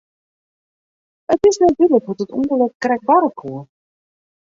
It is net dúdlik hoe't it ûngelok krekt barre koe.